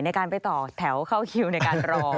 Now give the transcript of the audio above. ในการไปต่อแถวเข้าคิวในการรอ